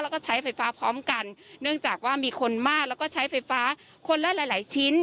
แล้วก็ใช้ไฟฟ้าพร้อมกันเนื่องจากว่ามีคนมากแล้วก็ใช้ไฟฟ้าคนละหลายหลายชิ้น